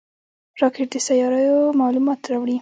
راکټ د سیارویو معلومات راوړي